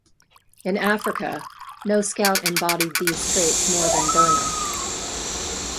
In Africa, no scout embodied these traits more than Burnham.